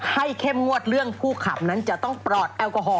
เข้มงวดเรื่องผู้ขับนั้นจะต้องปลอดแอลกอฮอล